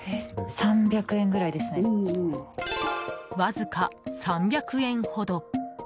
わずか３００円ほど。